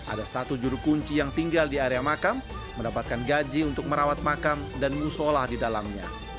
ada satu juru kunci yang tinggal di area makam mendapatkan gaji untuk merawat makam dan musola di dalamnya